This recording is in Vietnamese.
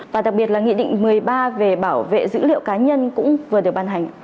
và đặc biệt là nghị định một mươi ba về bảo vệ dữ liệu cá nhân cũng vừa được ban hành